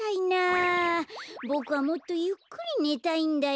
ボクはもっとゆっくりねたいんだよ。